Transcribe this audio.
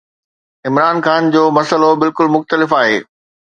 عمران خان جو مسئلو بلڪل مختلف آهي.